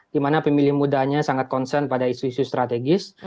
di mana pemilih mudanya sangat concern pada isu isu strategis